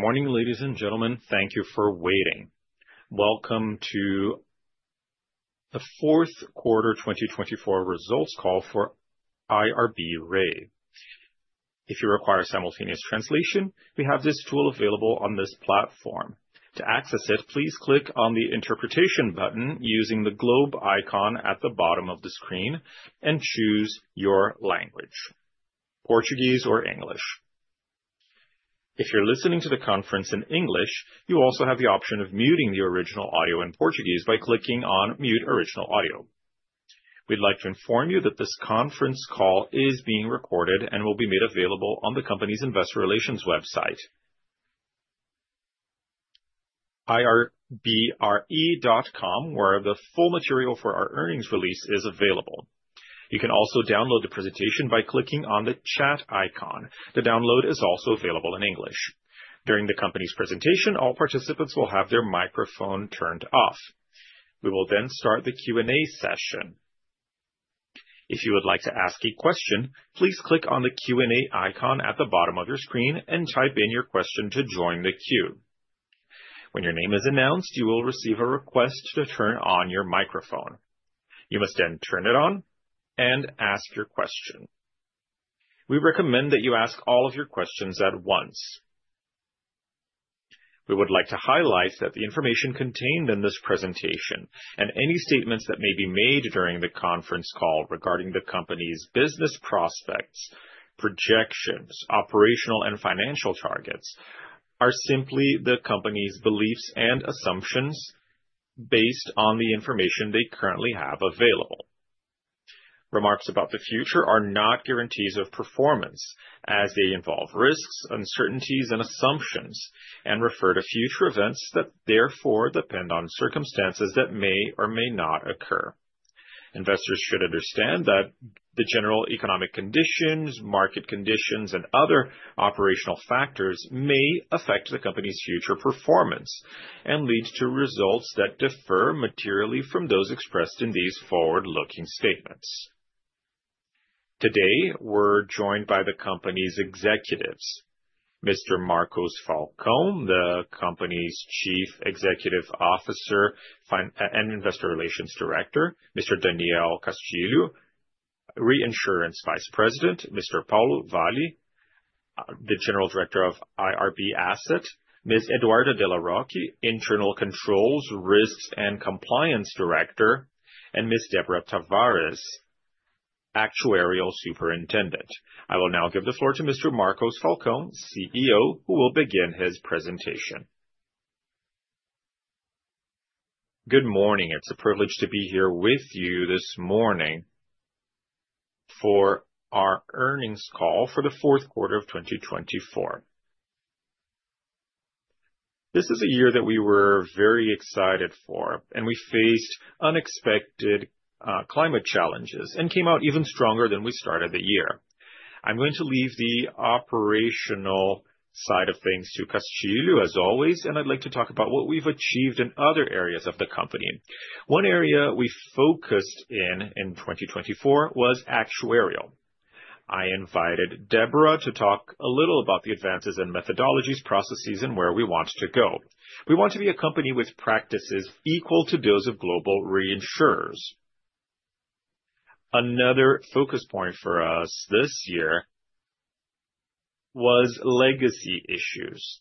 Good morning, ladies and gentlemen. Thank you for waiting. Welcome to the Fourth Quarter 2024 Results Call for IRB(Re). If you require simultaneous translation, we have this tool available on this platform. To access it, please click on the interpretation button using the globe icon at the bottom of the screen and choose your language: Portuguese or English. If you're listening to the conference in English, you also have the option of muting the original audio in Portuguese by clicking on "Mute Original Audio." We'd like to inform you that this conference call is being recorded and will be made available on the company's investor relations website, irbre.com.br, where the full material for our earnings release is available. You can also download the presentation by clicking on the chat icon. The download is also available in English. During the company's presentation, all participants will have their microphone turned off. We will then start the Q&A session. If you would like to ask a question, please click on the Q&A icon at the bottom of your screen and type in your question to join the queue. When your name is announced, you will receive a request to turn on your microphone. You must then turn it on and ask your question. We recommend that you ask all of your questions at once. We would like to highlight that the information contained in this presentation and any statements that may be made during the conference call regarding the company's business prospects, projections, operational, and financial targets are simply the company's beliefs and assumptions based on the information they currently have available. Remarks about the future are not guarantees of performance, as they involve risks, uncertainties, and assumptions, and refer to future events that therefore depend on circumstances that may or may not occur. Investors should understand that the general economic conditions, market conditions, and other operational factors may affect the company's future performance and lead to results that differ materially from those expressed in these forward-looking statements. Today, we're joined by the company's executives: Mr. Marcos Falcão, the company's Chief Executive Officer and Investor Relations Director; Mr. Daniel Castillo, Vice President of Reinsurance; Mr. Paulo Valle, the General Director of IRB Asset; Ms. Eduarda de La Rocque, Director of Internal Controls, Risks, and Compliance; and Ms. Debora Tavares, Actuarial Superintendent. I will now give the floor to Mr. Marcos Falcão, CEO, who will begin his presentation. Good morning. It's a privilege to be here with you this morning for our earnings call for the fourth quarter of 2024. This is a year that we were very excited for, and we faced unexpected climate challenges and came out even stronger than we started the year. I'm going to leave the operational side of things to Castillo, as always, and I'd like to talk about what we've achieved in other areas of the company. One area we focused in 2024 was actuarial. I invited Debora to talk a little about the advances in methodologies, processes, and where we want to go. We want to be a company with practices equal to those of global reinsurers. Another focus point for us this year was legacy issues.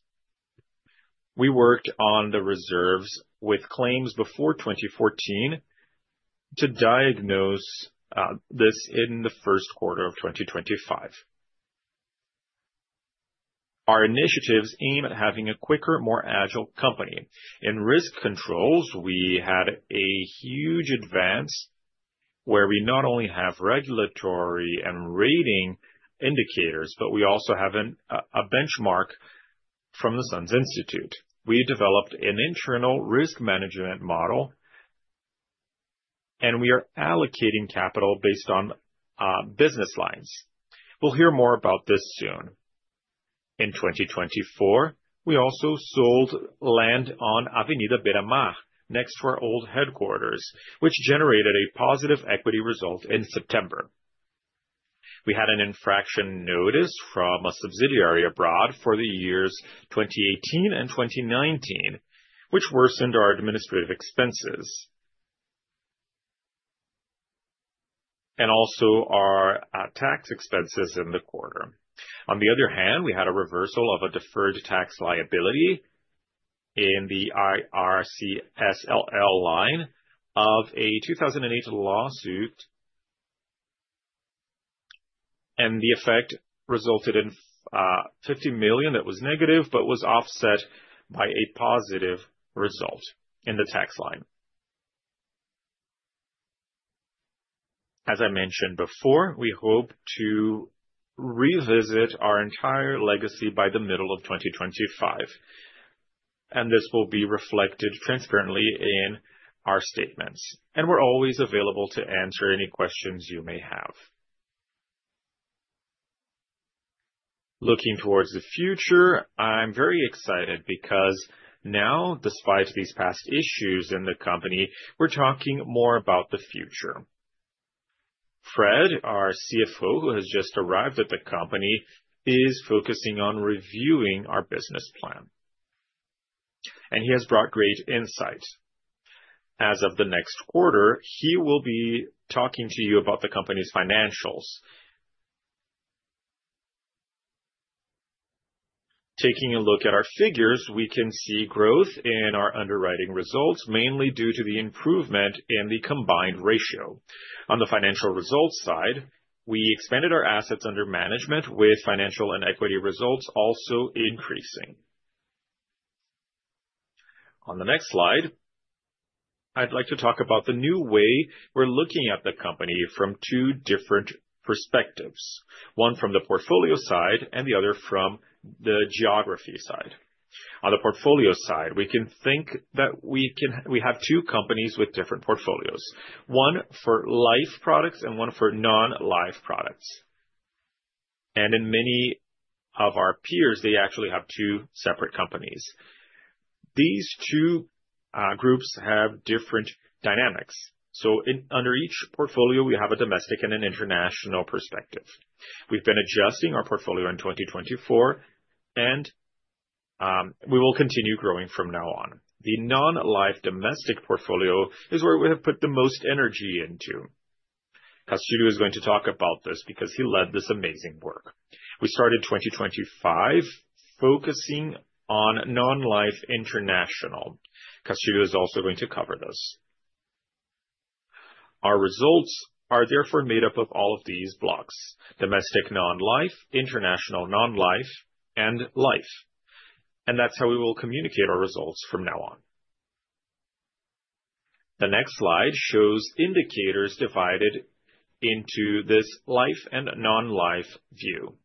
We worked on the reserves with claims before 2014 to diagnose this in the first quarter of 2025. Our initiatives aim at having a quicker, more agile company. In risk controls, we had a huge advance where we not only have regulatory and rating indicators, but we also have a benchmark from the SANS Institute. We developed an internal risk management model, and we are allocating capital based on business lines. We'll hear more about this soon. In 2024, we also sold land on Avenida Beira-Mar, next to our old headquarters, which generated a positive equity result in September. We had an infraction notice from a subsidiary abroad for the years 2018 and 2019, which worsened our administrative expenses and also our tax expenses in the quarter. On the other hand, we had a reversal of a deferred tax liability in the IR CSLL line of a 2008 lawsuit, and the effect resulted in 50 million that was negative but was offset by a positive result in the tax line. As I mentioned before, we hope to revisit our entire legacy by the middle of 2025, and this will be reflected transparently in our statements. And we're always available to answer any questions you may have. Looking toward the future, I'm very excited because now, despite these past issues in the company, we're talking more about the future. Fred, our CFO, who has just arrived at the company, is focusing on reviewing our business plan, and he has brought great insight. As of the next quarter, he will be talking to you about the company's financials. Taking a look at our figures, we can see growth in our underwriting results, mainly due to the improvement in the combined ratio. On the financial results side, we expanded our assets under management, with financial and equity results also increasing. On the next slide, I'd like to talk about the new way we're looking at the company from two different perspectives: one from the portfolio side and the other from the geography side. On the portfolio side, we can think that we have two companies with different portfolios: one for life products and one for non-life products, and in many of our peers they actually have two separate companies. These two groups have different dynamics, so under each portfolio, we have a domestic and an international perspective. We've been adjusting our portfolio in 2024, and we will continue growing from now on. The non-life domestic portfolio is where we have put the most energy into. Castillo is going to talk about this because he led this amazing work. We started 2025 focusing on non-life international. Castillo is also going to cover this. Our results are therefore made up of all of these blocks: domestic non-life, international non-life, and life. And that's how we will communicate our results from now on. The next slide shows indicators divided into this life and non-life view.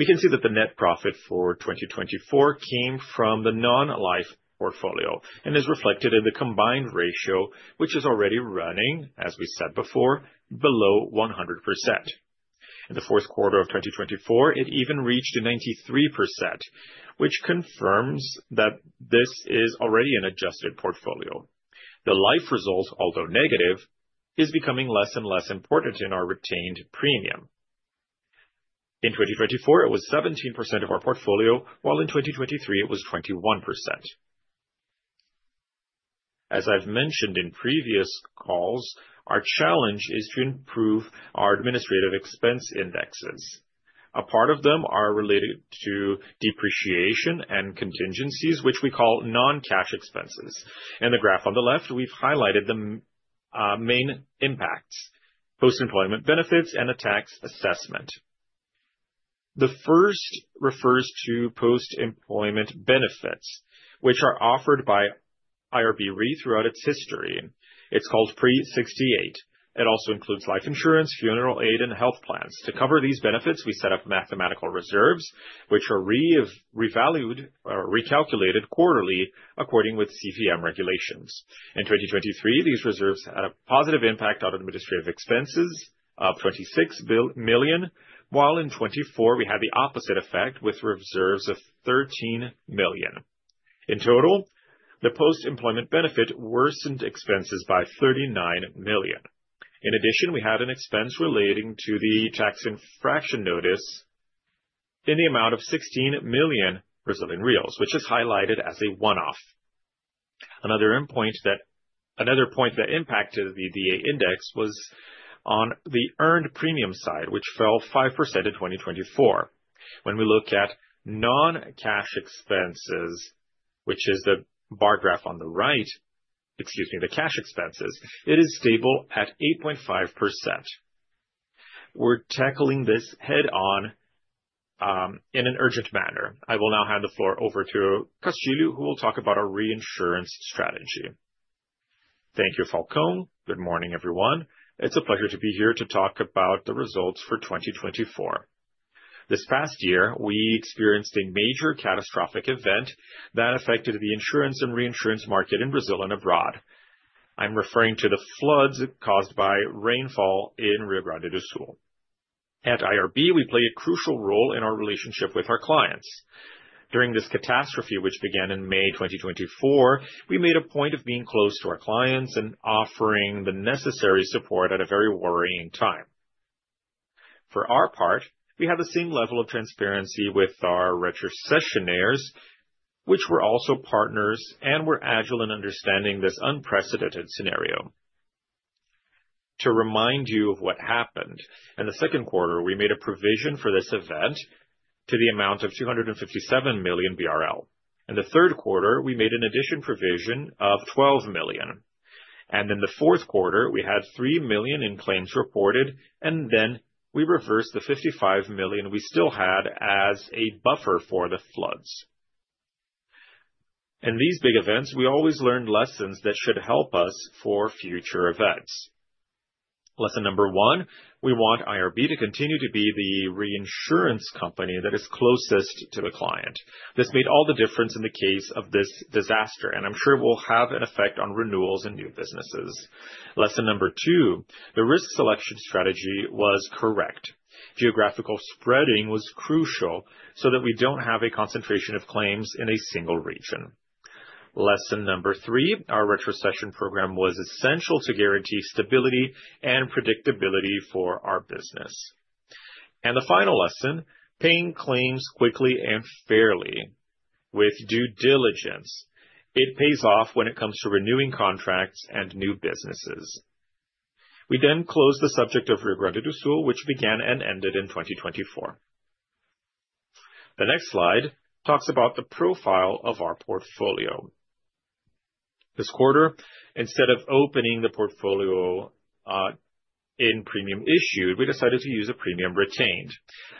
We can see that the net profit for 2024 came from the non-life portfolio and is reflected in the combined ratio, which is already running, as we said before, below 100%. In the fourth quarter of 2024, it even reached 93%, which confirms that this is already an adjusted portfolio. The life result, although negative, is becoming less and less important in our retained premium. In 2024, it was 17% of our portfolio, while in 2023, it was 21%. As I've mentioned in previous calls, our challenge is to improve our administrative expense indexes. A part of them is related to depreciation and contingencies, which we call non-cash expenses. In the graph on the left, we've highlighted the main impacts: post-employment benefits and a tax assessment. The first refers to post-employment benefits, which are offered by IRB(Re) throughout its history. It's called Pre-68. It also includes life insurance, funeral aid, and health plans. To cover these benefits, we set up mathematical reserves, which are revalued or recalculated quarterly according with CVM regulations. In 2023, these reserves had a positive impact on administrative expenses of 26 million, while in 2024, we had the opposite effect with reserves of 13 million. In total, the post-employment benefit worsened expenses by 39 million. In addition, we had an expense relating to the tax infraction notice in the amount of 16 million Brazilian reais, which is highlighted as a one-off. Another point that impacted the DA index was on the earned premium side, which fell 5% in 2024. When we look at non-cash expenses, which is the bar graph on the right, excuse me, the cash expenses, it is stable at 8.5%. We're tackling this head-on in an urgent manner. I will now hand the floor over to Castillo, who will talk about our reinsurance strategy. Thank you, Falcão. Good morning, everyone. It's a pleasure to be here to talk about the results for 2024. This past year, we experienced a major catastrophic event that affected the insurance and reinsurance market in Brazil and abroad. I'm referring to the floods caused by rainfall in Rio Grande do Sul. At IRB, we play a crucial role in our relationship with our clients. During this catastrophe, which began in May 2024, we made a point of being close to our clients and offering the necessary support at a very worrying time. For our part, we had the same level of transparency with our retrocessionaires, which were also partners, and were agile in understanding this unprecedented scenario. To remind you of what happened, in the second quarter, we made a provision for this event to the amount of 257 million BRL. In the third quarter, we made an additional provision of 12 million. And in the fourth quarter, we had 3 million in claims reported, and then we reversed the 55 million we still had as a buffer for the floods. In these big events, we always learn lessons that should help us for future events. Lesson number one: we want IRB to continue to be the reinsurance company that is closest to the client. This made all the difference in the case of this disaster, and I'm sure it will have an effect on renewals and new businesses. Lesson number two: the risk selection strategy was correct. Geographical spreading was crucial so that we don't have a concentration of claims in a single region. Lesson number three, our retrocession program was essential to guarantee stability and predictability for our business. And the final lesson: paying claims quickly and fairly with due diligence. It pays off when it comes to renewing contracts and new businesses. We then closed the subject of Rio Grande do Sul, which began and ended in 2024. The next slide talks about the profile of our portfolio. This quarter, instead of opening the portfolio in premium issued, we decided to use a premium retained.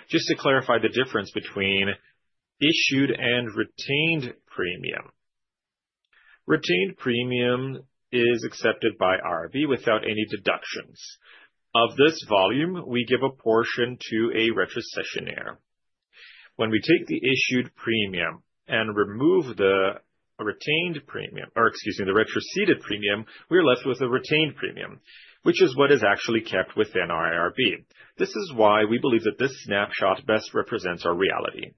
Just to clarify the difference between issued and retained premium, retained premium is accepted by IRB without any deductions. Of this volume, we give a portion to a retrocessionaire. When we take the issued premium and remove the retained premium, or excuse me, the retroceded premium, we are left with a retained premium, which is what is actually kept within our IRB. This is why we believe that this snapshot best represents our reality.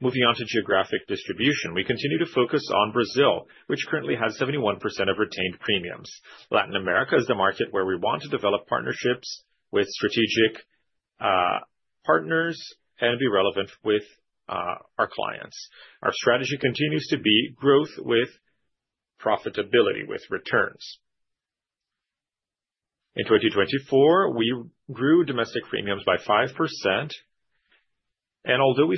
Moving on to geographic distribution, we continue to focus on Brazil, which currently has 71% of retained premiums. Latin America is the market where we want to develop partnerships with strategic partners and be relevant with our clients. Our strategy continues to be growth with profitability, with returns. In 2024, we grew domestic premiums by 5%. Although we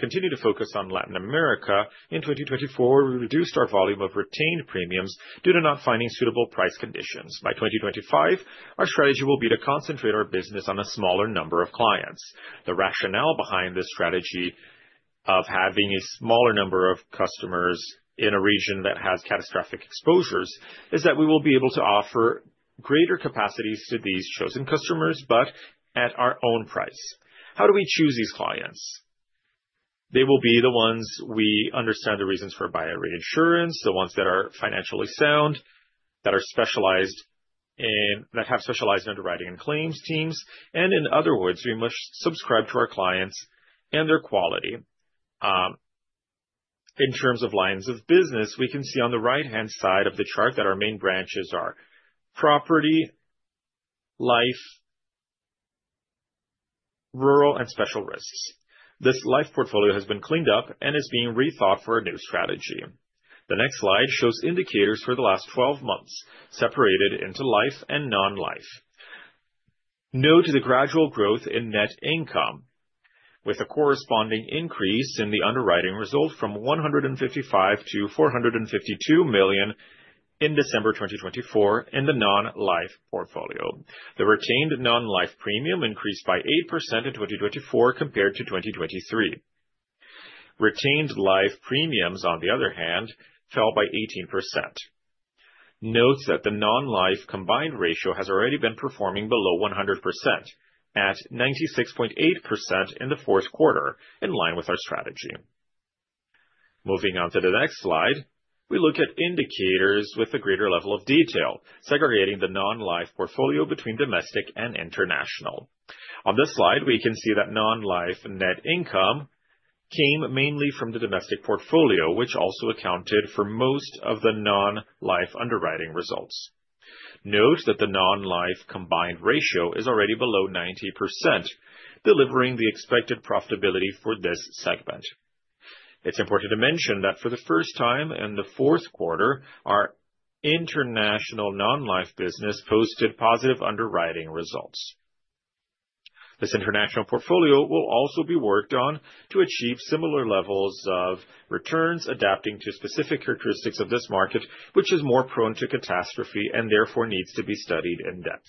continue to focus on Latin America, in 2024, we reduced our volume of retained premiums due to not finding suitable price conditions. By 2025, our strategy will be to concentrate our business on a smaller number of clients. The rationale behind this strategy of having a smaller number of customers in a region that has catastrophic exposures is that we will be able to offer greater capacities to these chosen customers, but at our own price. How do we choose these clients? They will be the ones we understand the reasons for buying reinsurance, the ones that are financially sound, that are specialized in, that have specialized underwriting and claims teams. In other words, we must subscribe to our clients and their quality. In terms of lines of business, we can see on the right-hand side of the chart that our main branches are property, life, rural, and special risks. This life portfolio has been cleaned up and is being rethought for a new strategy. The next slide shows indicators for the last 12 months, separated into life and non-life. Note the gradual growth in net income, with a corresponding increase in the underwriting result from 155 million-452 million in December 2024 in the non-life portfolio. The retained non-life premium increased by 8% in 2024 compared to 2023. Retained life premiums, on the other hand, fell by 18%. Note that the non-life combined ratio has already been performing below 100% at 96.8% in the fourth quarter, in line with our strategy. Moving on to the next slide, we look at indicators with a greater level of detail, segregating the non-life portfolio between domestic and international. On this slide, we can see that non-life net income came mainly from the domestic portfolio, which also accounted for most of the non-life underwriting results. Note that the non-life combined ratio is already below 90%, delivering the expected profitability for this segment. It's important to mention that for the first time in the fourth quarter, our international non-life business posted positive underwriting results. This international portfolio will also be worked on to achieve similar levels of returns, adapting to specific characteristics of this market, which is more prone to catastrophe and therefore needs to be studied in depth.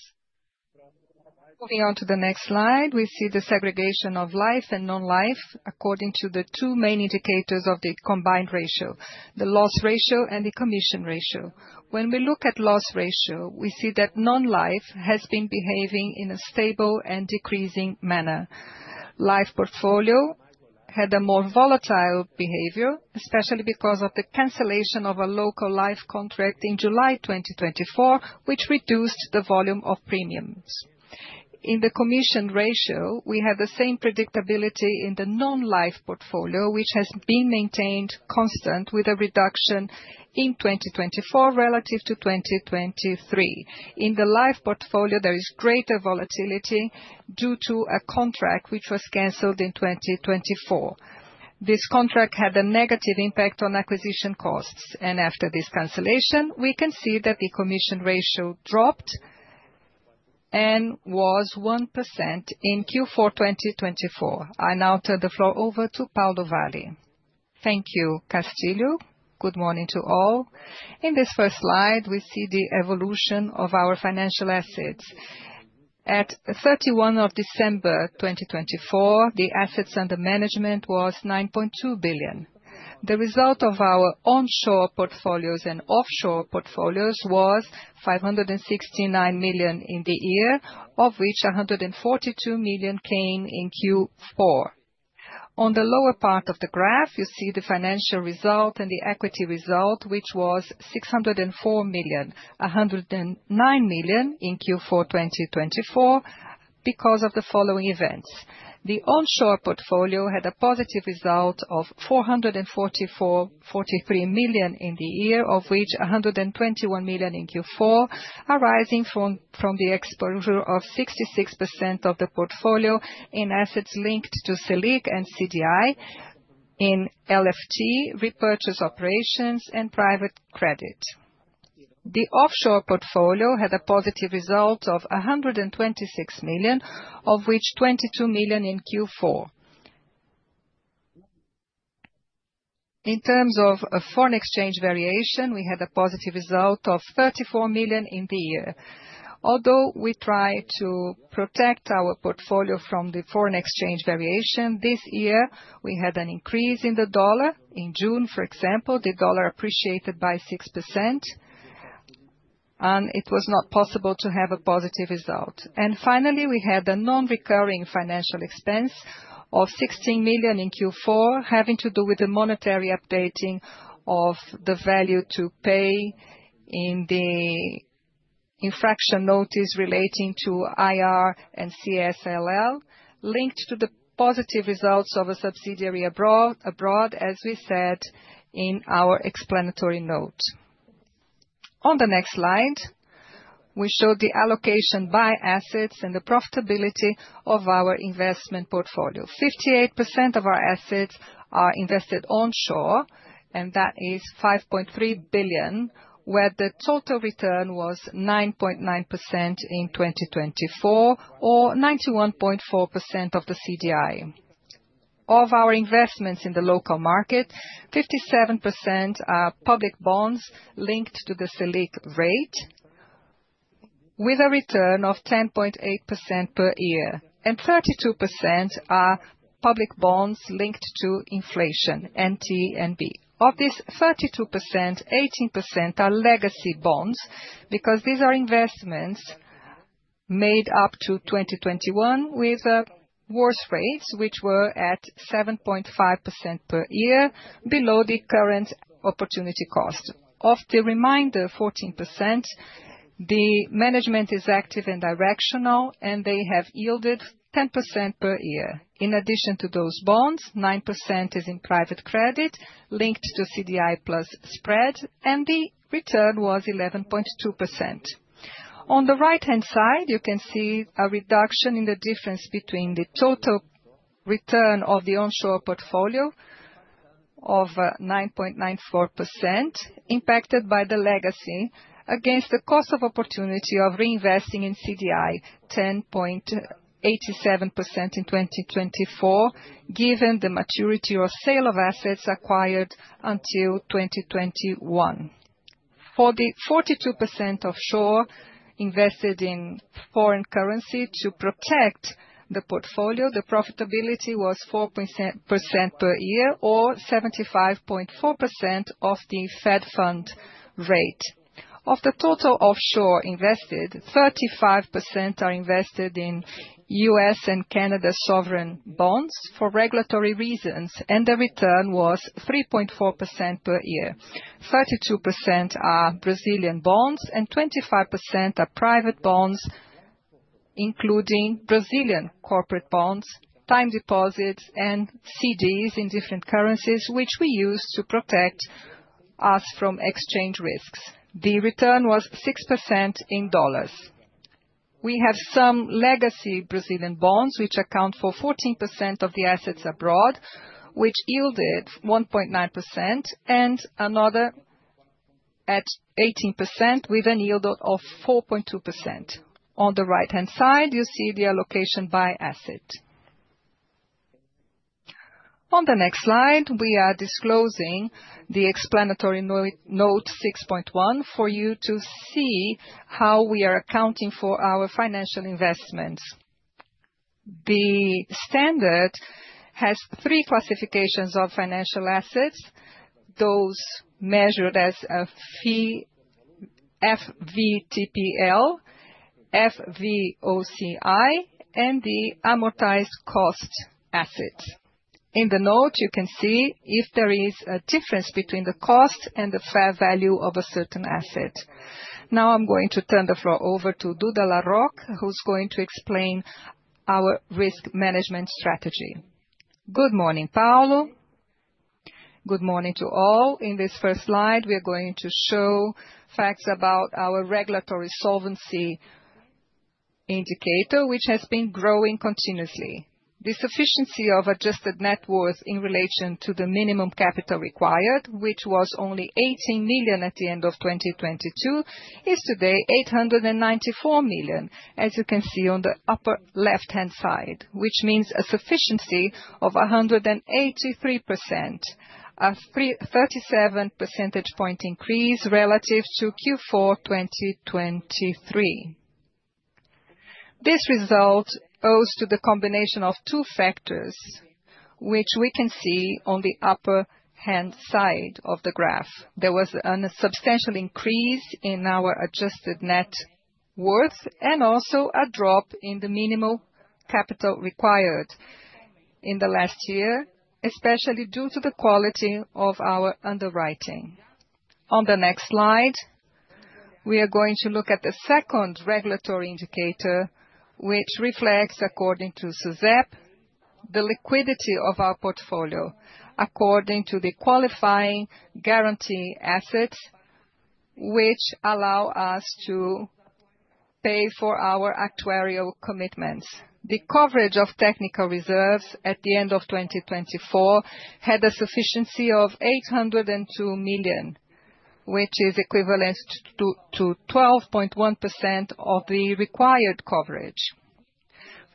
Moving on to the next slide, we see the segregation of life and non-life according to the two main indicators of the combined ratio: the loss ratio and the commission ratio. When we look at the loss ratio, we see that non-life has been behaving in a stable and decreasing manner. Life portfolio had a more volatile behavior, especially because of the cancellation of a local life contract in July 2024, which reduced the volume of premiums. In the commission ratio, we had the same predictability in the non-life portfolio, which has been maintained constant with a reduction in 2024 relative to 2023. In the life portfolio, there is greater volatility due to a contract which was canceled in 2024. This contract had a negative impact on acquisition costs, and after this cancellation, we can see that the commission ratio dropped and was 1% in Q4 2024. I now turn the floor over to Paulo Valle. Thank you, Castillo. Good morning to all. In this first slide, we see the evolution of our financial assets. At December 31, 2024, the assets under management were 9.2 billion. The result of our onshore portfolios and offshore portfolios was 569 million in the year, of which 142 million came in Q4. On the lower part of the graph, you see the financial result and the equity result, which was 604 million, 109 million in Q4 2024 because of the following events. The onshore portfolio had a positive result of 443 million in the year, of which 121 million in Q4, arising from the exposure of 66% of the portfolio in assets linked to Selic and CDI, in LFT repurchase operations and private credit. The offshore portfolio had a positive result of 126 million, of which 22 million in Q4. In terms of foreign exchange variation, we had a positive result of 34 million in the year. Although we try to protect our portfolio from the foreign exchange variation, this year we had an increase in the dollar. In June, for example, the dollar appreciated by 6%, and it was not possible to have a positive result. And finally, we had a non-recurring financial expense of 16 million in Q4, having to do with the monetary updating of the value to pay in the infraction notice relating to IR and CSLL, linked to the positive results of a subsidiary abroad, as we said in our explanatory note. On the next slide, we showed the allocation by assets and the profitability of our investment portfolio. 58% of our assets are invested onshore, and that is 5.3 billion, where the total return was 9.9% in 2024, or 91.4% of the CDI. Of our investments in the local market, 57% are public bonds linked to the Selic rate, with a return of 10.8% per year, and 32% are public bonds linked to inflation, NTN-B. Of this 32%, 18% are legacy bonds because these are investments made up to 2021 with worse rates, which were at 7.5% per year, below the current opportunity cost. Of the remainder 14%, the management is active and directional, and they have yielded 10% per year. In addition to those bonds, 9% is in private credit linked to CDI plus spread, and the return was 11.2%. On the right-hand side, you can see a reduction in the difference between the total return of the onshore portfolio of 9.94% impacted by the legacy against the cost of opportunity of reinvesting in CDI, 10.87% in 2024, given the maturity or sale of assets acquired until 2021. For the 42% offshore invested in foreign currency to protect the portfolio, the profitability was 4% per year or 75.4% of the Fed fund rate. Of the total offshore invested, 35% are invested in U.S. and Canada sovereign bonds for regulatory reasons, and the return was 3.4% per year. 32% are Brazilian bonds, and 25% are private bonds, including Brazilian corporate bonds, time deposits, and CDs in different currencies, which we use to protect us from exchange risks. The return was 6% in dollars. We have some legacy Brazilian bonds, which account for 14% of the assets abroad, which yielded 1.9%, and another at 18% with a yield of 4.2%. On the right-hand side, you see the allocation by asset. On the next slide, we are disclosing the explanatory note 6.1 for you to see how we are accounting for our financial investments. The standard has three classifications of financial assets, those measured at FVTPL, FVOCI, and amortised cost. In the note, you can see if there is a difference between the cost and the fair value of a certain asset. Now I'm going to turn the floor over to Eduarda La Rocque, who's going to explain our risk management strategy. Good morning, Paulo. Good morning to all. In this first slide, we are going to show facts about our regulatory solvency indicator, which has been growing continuously. The sufficiency of adjusted net worth in relation to the minimum capital required, which was only 18 million at the end of 2022, is today 894 million, as you can see on the upper left-hand side, which means a sufficiency of 183%, a 37 percentage point increase relative to Q4 2023. This result owes to the combination of two factors, which we can see on the upper-hand side of the graph. There was a substantial increase in our adjusted net worth and also a drop in the minimum capital required in the last year, especially due to the quality of our underwriting. On the next slide, we are going to look at the second regulatory indicator, which reflects, according to SUSEP, the liquidity of our portfolio according to the qualifying guarantee assets, which allow us to pay for our actuarial commitments. The coverage of technical reserves at the end of 2024 had a sufficiency of 802 million, which is equivalent to 12.1% of the required coverage,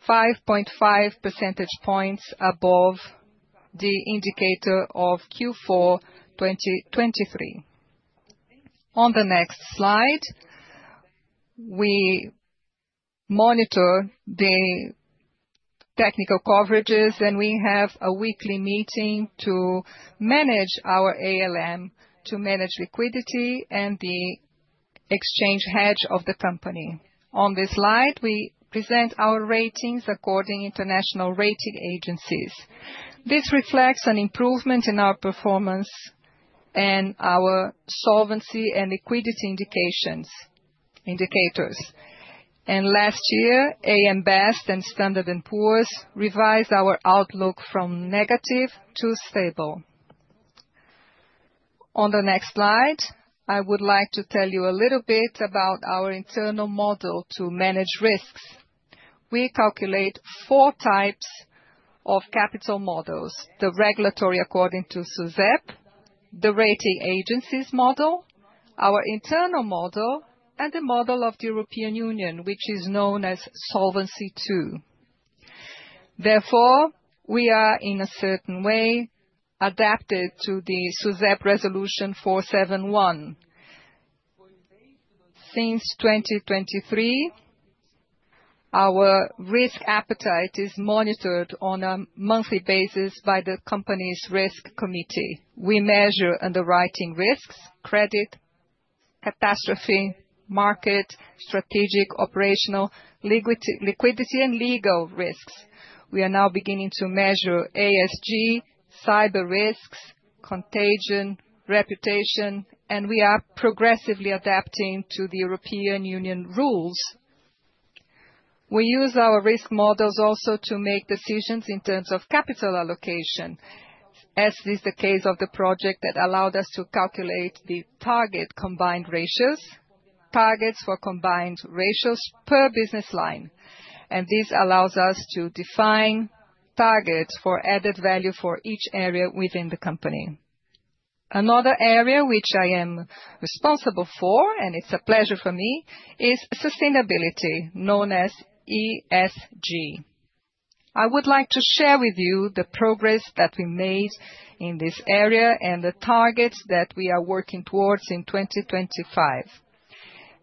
5.5 percentage points above the indicator of Q4 2023. On the next slide, we monitor the technical coverages, and we have a weekly meeting to manage our ALM, to manage liquidity, and the exchange hedge of the company. On this slide, we present our ratings according to international rating agencies. This reflects an improvement in our performance and our solvency and liquidity indicators, and last year, AM Best and Standard and Poor's revised our outlook from negative to stable. On the next slide, I would like to tell you a little bit about our internal model to manage risks. We calculate four types of capital models: the regulatory according to SUSEP, the rating agencies model, our internal model, and the model of the European Union, which is known as Solvency II. Therefore, we are, in a certain way, adapted to the SUSEP Resolution 471. Since 2023, our risk appetite is monitored on a monthly basis by the company's risk committee. We measure underwriting risks, credit, catastrophe, market, strategic, operational, liquidity, and legal risks. We are now beginning to measure ESG, cyber risks, contagion, reputation, and we are progressively adapting to the European Union rules. We use our risk models also to make decisions in terms of capital allocation, as is the case of the project that allowed us to calculate the target combined ratios, targets for combined ratios per business line, and this allows us to define targets for added value for each area within the company. Another area which I am responsible for, and it's a pleasure for me, is sustainability, known as ESG. I would like to share with you the progress that we made in this area and the targets that we are working towards in 2025.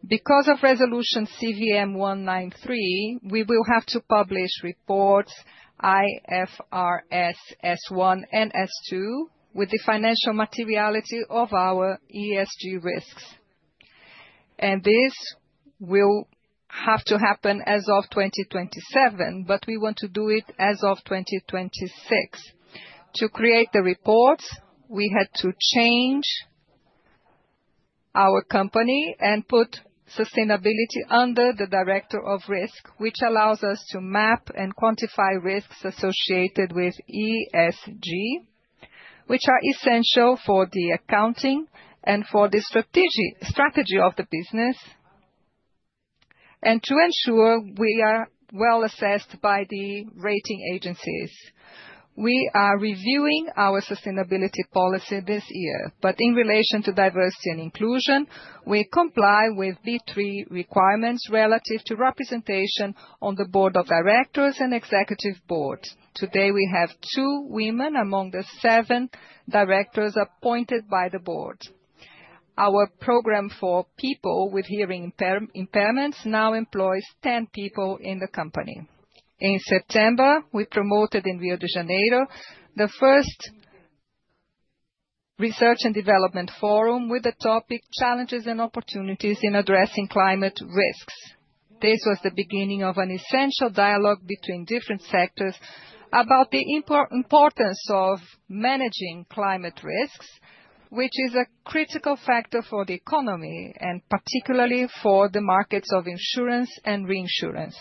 Because of Resolution CVM 193, we will have to publish reports IFRS S1 and S2 with the financial materiality of our ESG risks. This will have to happen as of 2027, but we want to do it as of 2026. To create the reports, we had to change our company and put sustainability under the Director of Risk, which allows us to map and quantify risks associated with ESG, which are essential for the accounting and for the strategy of the business, and to ensure we are well assessed by the rating agencies. We are reviewing our sustainability policy this year, but in relation to diversity and inclusion, we comply with B3 requirements relative to representation on the Board of Directors and Executive Board. Today, we have two women among the seven directors appointed by the board. Our program for people with hearing impairments now employs 10 people in the company. In September, we promoted in Rio de Janeiro the first research and development forum with the topic "Challenges and Opportunities in Addressing Climate Risks." This was the beginning of an essential dialogue between different sectors about the importance of managing climate risks, which is a critical factor for the economy and particularly for the markets of insurance and reinsurance.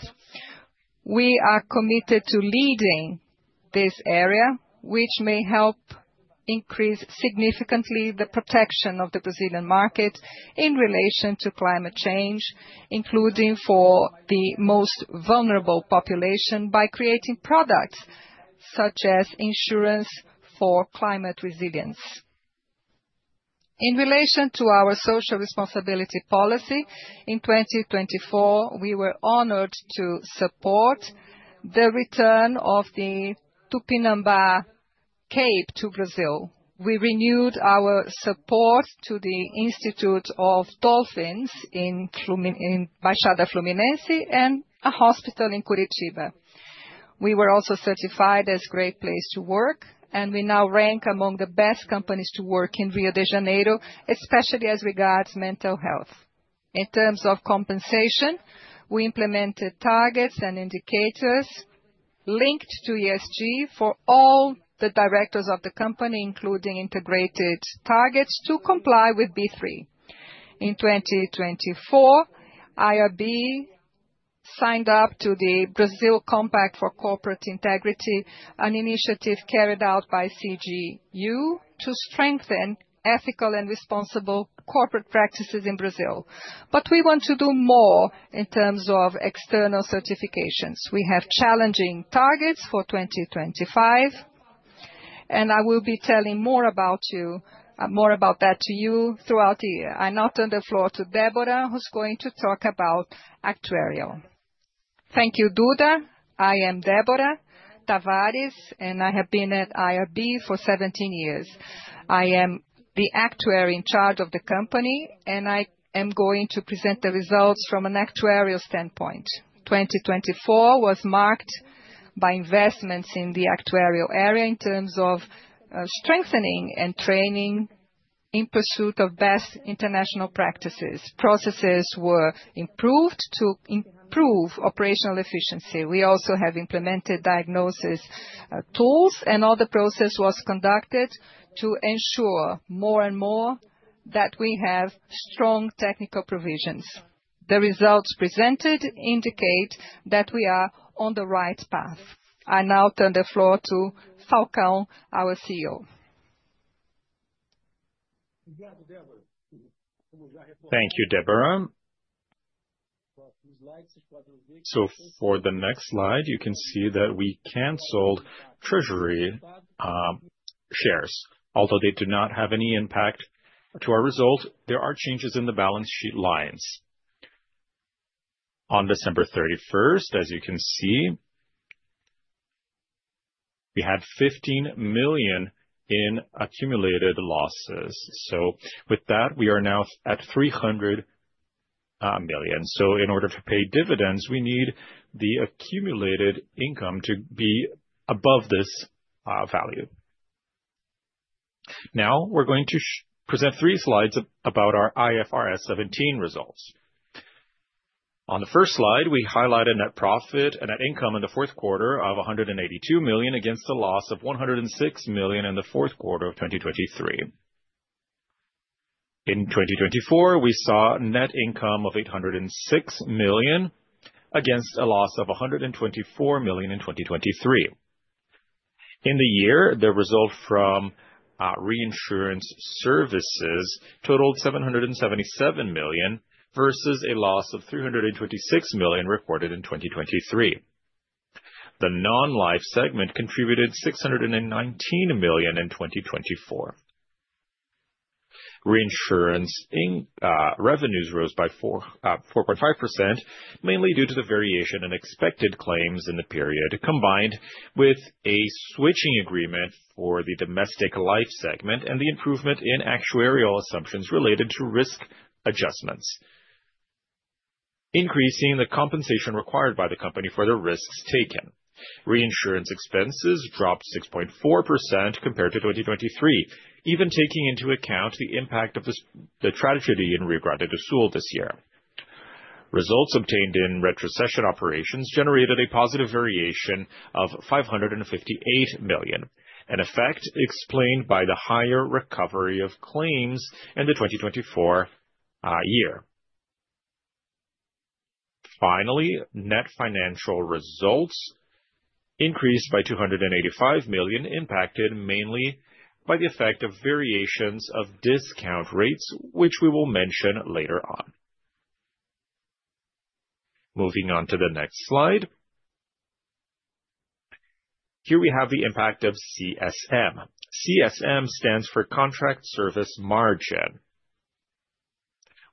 We are committed to leading this area, which may help increase significantly the protection of the Brazilian market in relation to climate change, including for the most vulnerable population, by creating products such as insurance for climate resilience. In relation to our social responsibility policy, in 2024, we were honored to support the return of the Tupinambá Cape to Brazil. We renewed our support to the Institute of Dolphins in Baixada Fluminense and a hospital in Curitiba. We were also certified as a Great Place to Work, and we now rank among the best companies to work in Rio de Janeiro, especially as regards mental health. In terms of compensation, we implemented targets and indicators linked to ESG for all the directors of the company, including integrated targets to comply with B3. In 2024, IRB signed up to the Brazil Compact for Corporate Integrity, an initiative carried out by CGU to strengthen ethical and responsible corporate practices in Brazil. But we want to do more in terms of external certifications. We have challenging targets for 2025, and I will be telling more about that to you throughout the year. I'm handing the floor to Debora, who's going to talk about actuarial. Thank you, Eduarda. I am Debora Tavares, and I have been at IRB for 17 years. I am the actuary in charge of the company, and I am going to present the results from an actuarial standpoint. 2024 was marked by investments in the actuarial area in terms of strengthening and training in pursuit of best international practices. Processes were improved to improve operational efficiency. We also have implemented diagnosis tools, and all the process was conducted to ensure more and more that we have strong technical provisions. The results presented indicate that we are on the right path. I now turn the floor to Falcão, our CEO. Thank you, Debora. So for the next slide, you can see that we canceled treasury shares, although they do not have any impact to our result. There are changes in the balance sheet lines. On December 31st, as you can see, we had 15 million in accumulated losses. So with that, we are now at 300 million. In order to pay dividends, we need the accumulated income to be above this value. Now we're going to present three slides about our IFRS 17 results. On the first slide, we highlighted net profit and net income in the fourth quarter of 182 million against a loss of 106 million in the fourth quarter of 2023. In 2024, we saw net income of 806 million against a loss of 124 million in 2023. In the year, the result from reinsurance services totaled 777 million versus a loss of 326 million recorded in 2023. The non-life segment contributed 619 million in 2024. Reinsurance revenues rose by 4.5%, mainly due to the variation in expected claims in the period, combined with a switching agreement for the domestic life segment and the improvement in actuarial assumptions related to risk adjustments, increasing the compensation required by the company for the risks taken. Reinsurance expenses dropped 6.4% compared to 2023, even taking into account the impact of the tragedy in Rio Grande do Sul this year. Results obtained in retrocession operations generated a positive variation of 558 million, an effect explained by the higher recovery of claims in the 2024 year. Finally, net financial results increased by 285 million, impacted mainly by the effect of variations of discount rates, which we will mention later on. Moving on to the next slide. Here we have the impact of CSM. CSM stands for Contract Service Margin,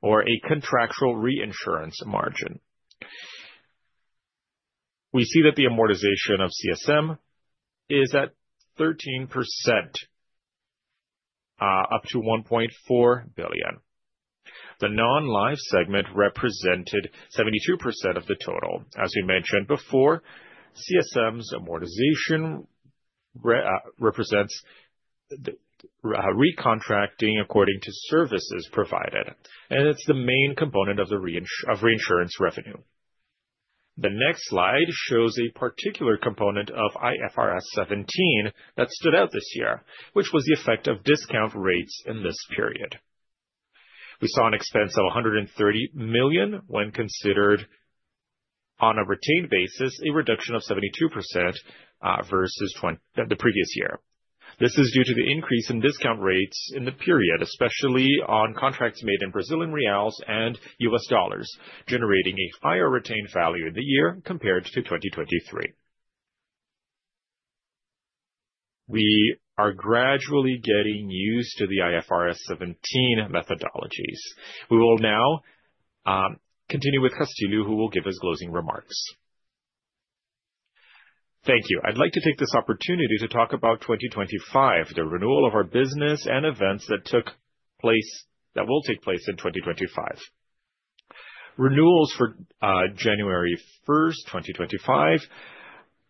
or a contractual reinsurance margin. We see that the amortization of CSM is at 13%, up to 1.4 billion. The non-life segment represented 72% of the total. As we mentioned before, CSM's amortization represents recontracting according to services provided, and it's the main component of reinsurance revenue. The next slide shows a particular component of IFRS 17 that stood out this year, which was the effect of discount rates in this period. We saw an expense of 130 million when considered on a retained basis, a reduction of 72% versus the previous year. This is due to the increase in discount rates in the period, especially on contracts made in Brazilian Reals and US dollars, generating a higher retained value in the year compared to 2023. We are gradually getting used to the IFRS 17 methodologies. We will now continue with Castillo, who will give his closing remarks. Thank you. I'd like to take this opportunity to talk about 2025, the renewal of our business, and events that took place that will take place in 2025. Renewals for January 1st, 2025,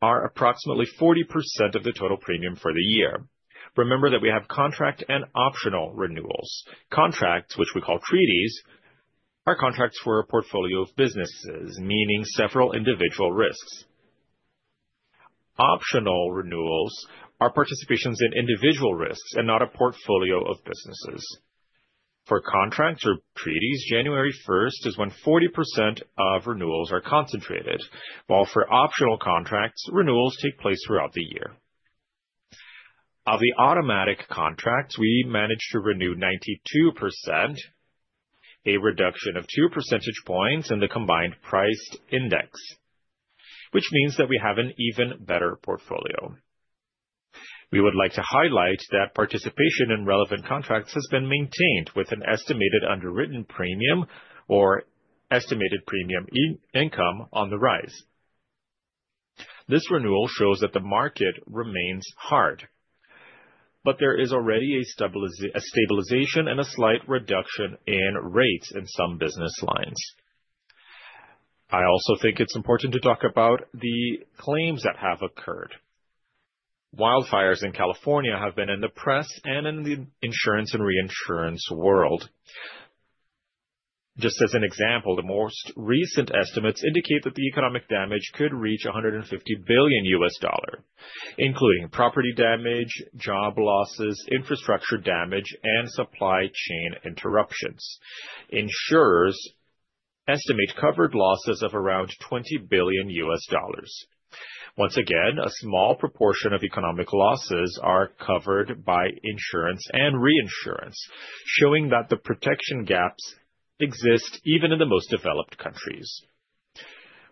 are approximately 40% of the total premium for the year. Remember that we have contract and optional renewals. Contracts, which we call treaties, are contracts for a portfolio of businesses, meaning several individual risks. Optional renewals are participations in individual risks and not a portfolio of businesses. For contracts or treaties, January 1st is when 40% of renewals are concentrated, while for optional contracts, renewals take place throughout the year. Of the automatic contracts, we managed to renew 92%, a reduction of 2 percentage points in the combined priced index, which means that we have an even better portfolio. We would like to highlight that participation in relevant contracts has been maintained, with an estimated underwritten premium or estimated premium income on the rise. This renewal shows that the market remains hard, but there is already a stabilization and a slight reduction in rates in some business lines. I also think it's important to talk about the claims that have occurred. Wildfires in California have been in the press and in the insurance and reinsurance world. Just as an example, the most recent estimates indicate that the economic damage could reach BRL 150 billion, including property damage, job losses, infrastructure damage, and supply chain interruptions. Insurers estimate covered losses of around BRL 20 billion. Once again, a small proportion of economic losses are covered by insurance and reinsurance, showing that the protection gaps exist even in the most developed countries.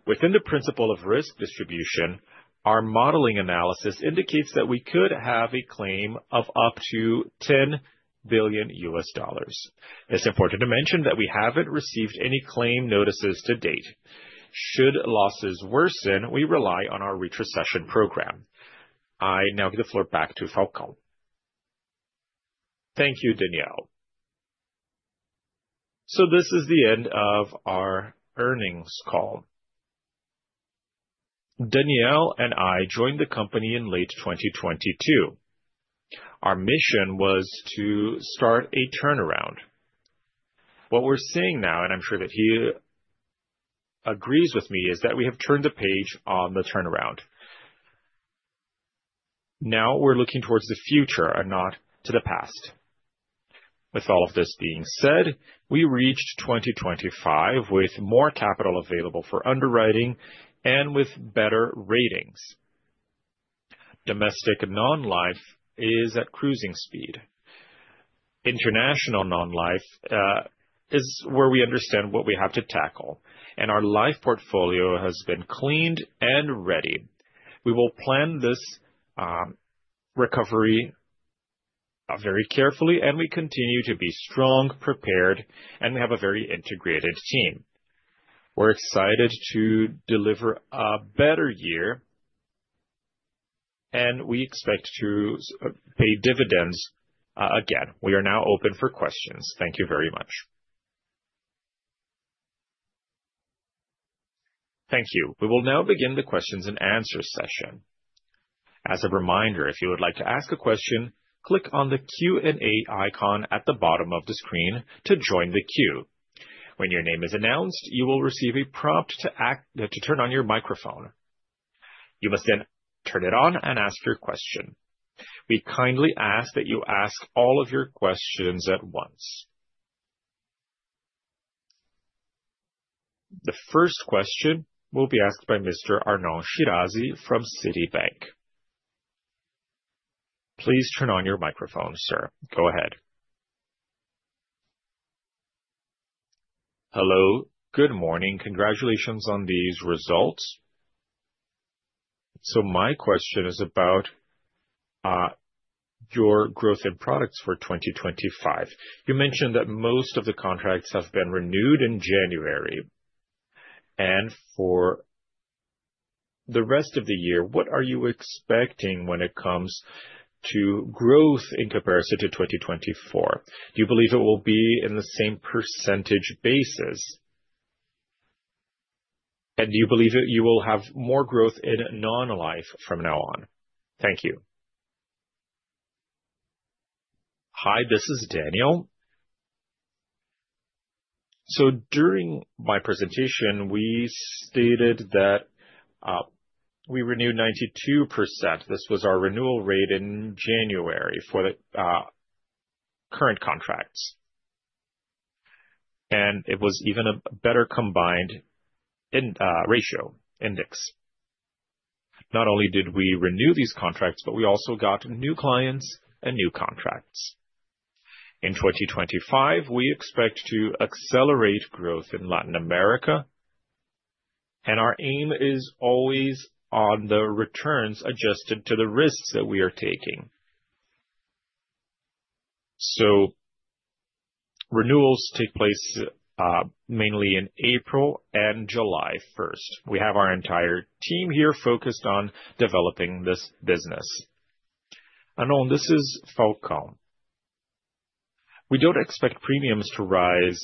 Within the principle of risk distribution, our modeling analysis indicates that we could have a claim of up to BRL 10 billion. It's important to mention that we haven't received any claim notices to date. Should losses worsen, we rely on our retrocession program. I now give the floor back to Falcão. Thank you, Daniel. So this is the end of our earnings call. Daniel and I joined the company in late 2022. Our mission was to start a turnaround. What we're seeing now, and I'm sure that he agrees with me, is that we have turned the page on the turnaround. Now we're looking towards the future and not to the past. With all of this being said, we reached 2025 with more capital available for underwriting and with better ratings. Domestic non-life is at cruising speed. International non-life is where we understand what we have to tackle, and our life portfolio has been cleaned and ready. We will plan this recovery very carefully, and we continue to be strong, prepared, and we have a very integrated team. We're excited to deliver a better year, and we expect to pay dividends again. We are now open for questions. Thank you very much. Thank you. We will now begin the question-and-answer session. As a reminder, if you would like to ask a question, click on the Q&A icon at the bottom of the screen to join the queue. When your name is announced, you will receive a prompt to turn on your microphone. You must then turn it on and ask your question. We kindly ask that you ask all of your questions at once. The first question will be asked by Mr. Arnon Shirazi from Citibank. Please turn on your microphone, sir. Go ahead. Hello, good morning. Congratulations on these results. So my question is about your growth in products for 2025. You mentioned that most of the contracts have been renewed in January. And for the rest of the year, what are you expecting when it comes to growth in comparison to 2024? Do you believe it will be in the same percentage basis, and do you believe that you will have more growth in non-life from now on? Thank you. Hi, this is Daniel. So during my presentation, we stated that we renewed 92%. This was our renewal rate in January for the current contracts, and it was even a better combined ratio index. Not only did we renew these contracts, but we also got new clients and new contracts. In 2025, we expect to accelerate growth in Latin America, and our aim is always on the returns adjusted to the risks that we are taking. So renewals take place mainly in April and July 1st. We have our entire team here focused on developing this business. Arnon, this is Falcão. We don't expect premiums to rise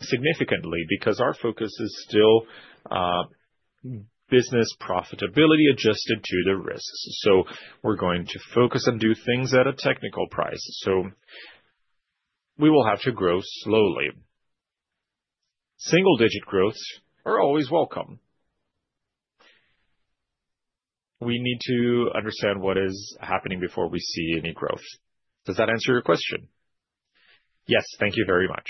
significantly because our focus is still business profitability adjusted to the risks. So we're going to focus and do things at a technical pace. So we will have to grow slowly. Single-digit growths are always welcome. We need to understand what is happening before we see any growth. Does that answer your question? Yes, thank you very much.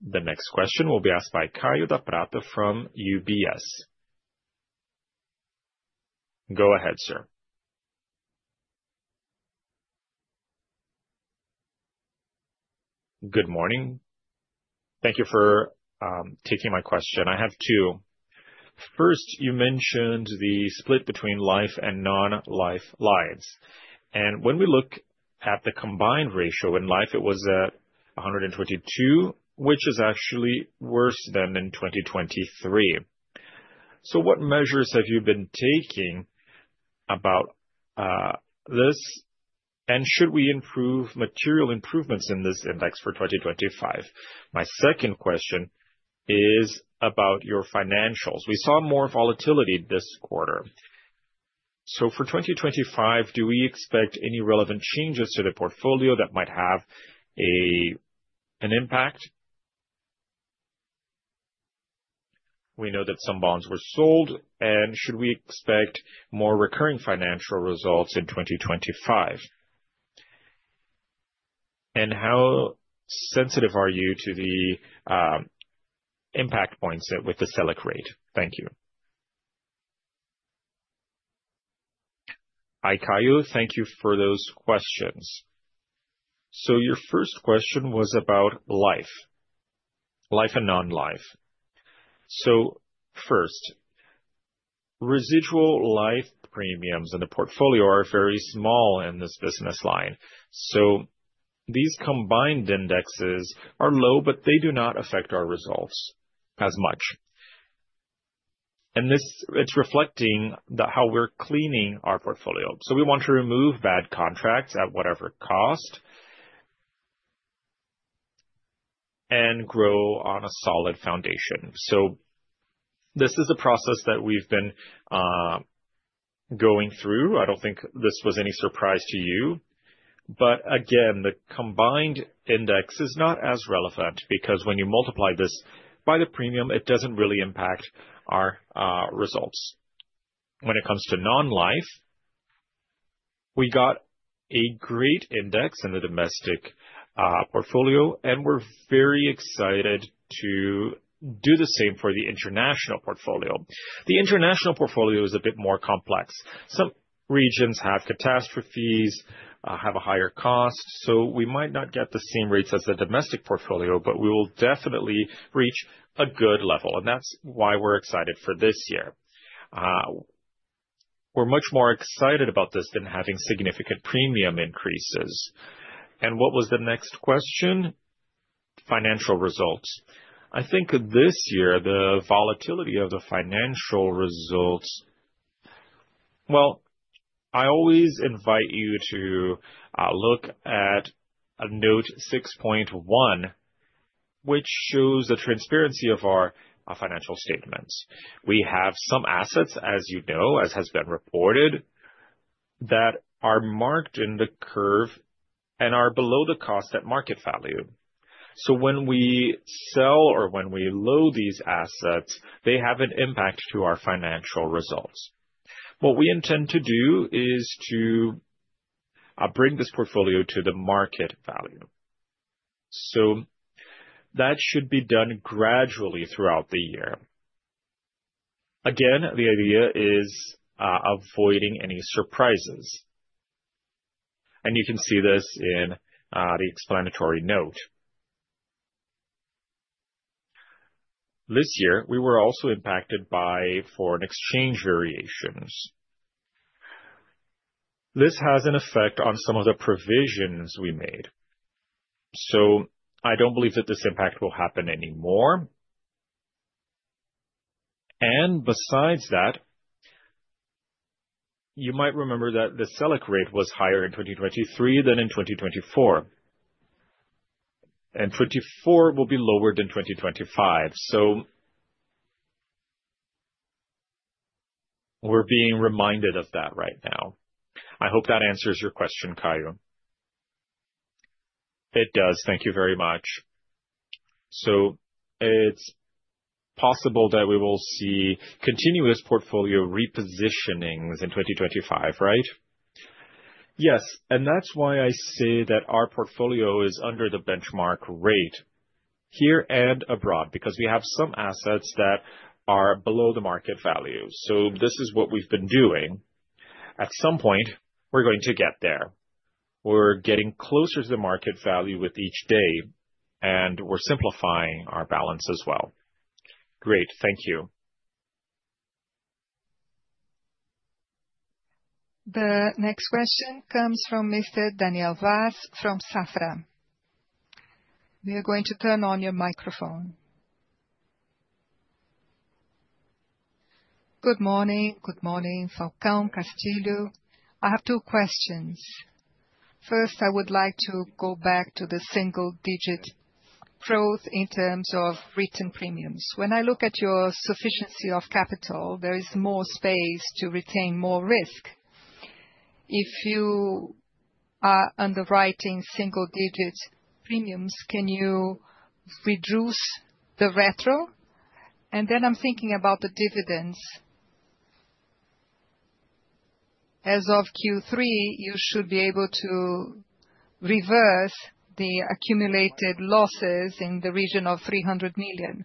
The next question will be asked by Kaio Prato from UBS. Go ahead, sir. Good morning. Thank you for taking my question. I have two. First, you mentioned the split between life and non-life lines. And when we look at the combined ratio in life, it was at 122%, which is actually worse than in 2023. So what measures have you been taking about this? And should we expect material improvements in this index for 2025? My second question is about your financials. We saw more volatility this quarter. So, for 2025, do we expect any relevant changes to the portfolio that might have an impact? We know that some bonds were sold, and should we expect more recurring financial results in 2025? And how sensitive are you to the impact points with the Selic rate? Thank you. Hi, Kaio. Thank you for those questions. So your first question was about life, life and non-life. So first, residual life premiums in the portfolio are very small in this business line. So these combined indexes are low, but they do not affect our results as much. And it's reflecting how we're cleaning our portfolio. So we want to remove bad contracts at whatever cost and grow on a solid foundation. So this is a process that we've been going through. I don't think this was any surprise to you. But again, the combined ratio is not as relevant because when you multiply this by the premium, it doesn't really impact our results. When it comes to non-life, we got a great ratio in the domestic portfolio, and we're very excited to do the same for the international portfolio. The international portfolio is a bit more complex. Some regions have catastrophes, have a higher cost, so we might not get the same rates as the domestic portfolio, but we will definitely reach a good level, and that's why we're excited for this year. We're much more excited about this than having significant premium increases, and what was the next question? Financial results. I think this year, the volatility of the financial results, well, I always invite you to look at Note 6.1, which shows the transparency of our financial statements. We have some assets, as you know, as has been reported that are marked in the curve and are below the cost at market value. So when we sell or when we load these assets, they have an impact to our financial results. What we intend to do is to bring this portfolio to the market value. So that should be done gradually throughout the year. Again, the idea is avoiding any surprises. And you can see this in the explanatory note. This year, we were also impacted by foreign exchange variations. This has an effect on some of the provisions we made. So I don't believe that this impact will happen anymore. And besides that, you might remember that the Selic rate was higher in 2023 than in 2024. And 2024 will be lower than 2025. So we're being reminded of that right now. I hope that answers your question, Kaio. It does. Thank you very much. So it's possible that we will see continuous portfolio repositionings in 2025, right? Yes. And that's why I say that our portfolio is under the benchmark rate here and abroad because we have some assets that are below the market value. So this is what we've been doing. At some point, we're going to get there. We're getting closer to the market value with each day, and we're simplifying our balance as well. Great. Thank you. The next question comes from Mr. Daniel Vaz from Banco Safra. We are going to turn on your microphone. Good morning. Good morning, Falcão, Castillo. I have two questions. First, I would like to go back to the single-digit growth in terms of written premiums. When I look at your capital sufficiency, there is more space to retain more risk. If you are underwriting single-digit premiums, can you reduce the retro? And then I'm thinking about the dividends. As of Q3, you should be able to reverse the accumulated losses in the region of 300 million.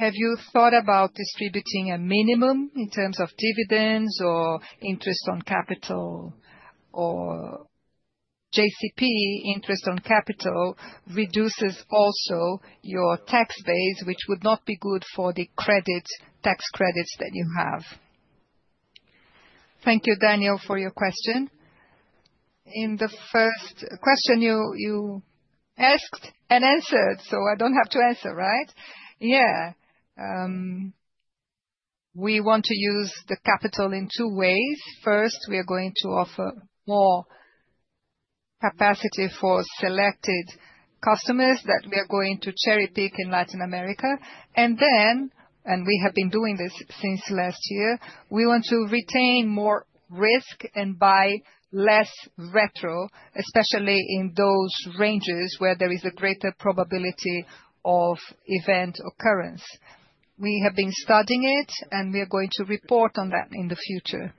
Have you thought about distributing a minimum in terms of dividends or interest on capital or JCP? Interest on capital reduces also your tax base, which would not be good for the credit tax credits that you have? Thank you, Daniel, for your question. In the first question, you asked and answered, so I don't have to answer, right? Yeah. We want to use the capital in two ways. First, we are going to offer more capacity for selected customers that we are going to cherry-pick in Latin America. And then we have been doing this since last year. We want to retain more risk and buy less retro, especially in those ranges where there is a greater probability of event occurrence. We have been studying it, and we are going to report on that in the future.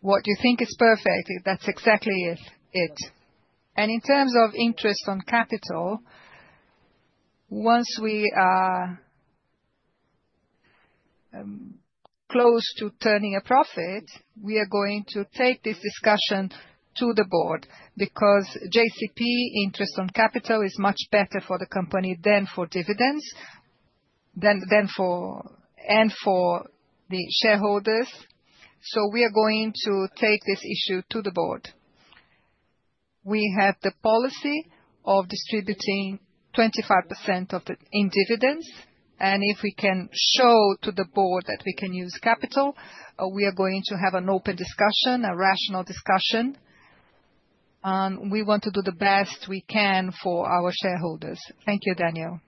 What you think is perfect, that's exactly it. And in terms of interest on capital, once we are close to turning a profit, we are going to take this discussion to the board because JCP interest on capital is much better for the company than for dividends and for the shareholders. So we are going to take this issue to the board. We have the policy of distributing 25% in dividends. And if we can show to the board that we can use capital, we are going to have an open discussion, a rational discussion. We want to do the best we can for our shareholders. Thank you, Daniel.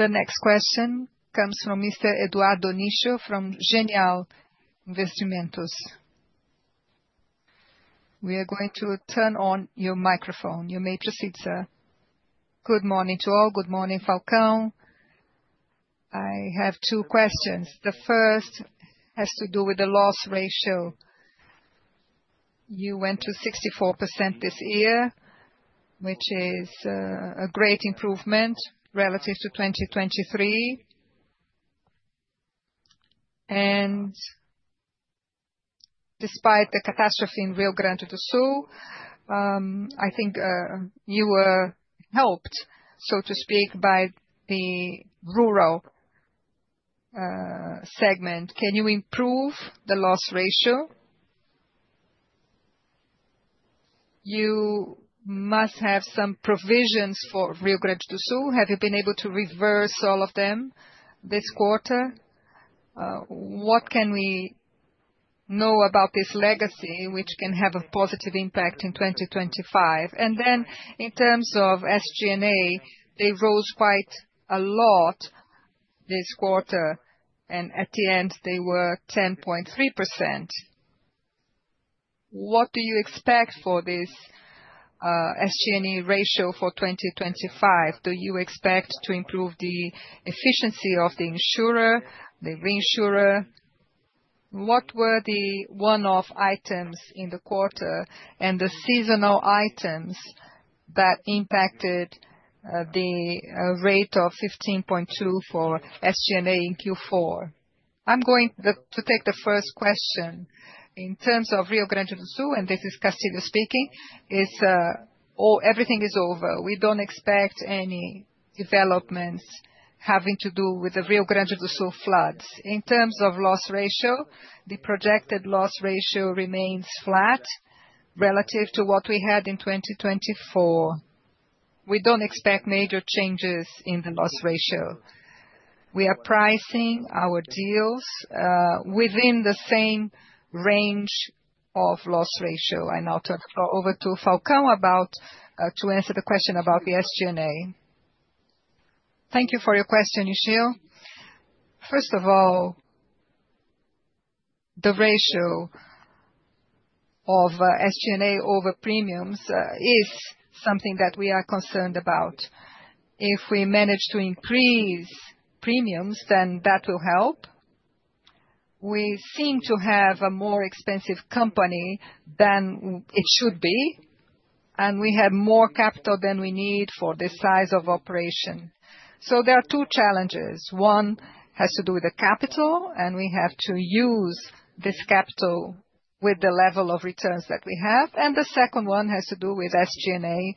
The next question comes from Mr. Eduardo Nishio from Genial Investimentos. We are going to turn on your microphone. You may proceed, sir. Good morning to all. Good morning, Falcão. I have two questions. The first has to do with the loss ratio. You went to 64% this year, which is a great improvement relative to 2023. And despite the catastrophe in Rio Grande do Sul, I think you were helped, so to speak, by the rural segment. Can you improve the loss ratio? You must have some provisions for Rio Grande do Sul. Have you been able to reverse all of them this quarter? What can we know about this legacy which can have a positive impact in 2025? And then in terms of SG&A, they rose quite a lot this quarter, and at the end, they were 10.3%. What do you expect for this SG&A ratio for 2025? Do you expect to improve the efficiency of the insurer, the reinsurer? What were the one-off items in the quarter and the seasonal items that impacted the rate of 15.2% for SG&A in Q4? I'm going to take the first question. In terms of Rio Grande do Sul, and this is Castillo speaking, everything is over. We don't expect any developments having to do with the Rio Grande do Sul floods. In terms of loss ratio, the projected loss ratio remains flat relative to what we had in 2024. We don't expect major changes in the loss ratio. We are pricing our deals within the same range of loss ratio. I now turn over to Falcão to answer the question about the SG&A. Thank you for your question, Nishio. First of all, the ratio of SG&A over premiums is something that we are concerned about. If we manage to increase premiums, then that will help. We seem to have a more expensive company than it should be, and we have more capital than we need for this size of operation, so there are two challenges. One has to do with the capital, and we have to use this capital with the level of returns that we have, and the second one has to do with SG&A.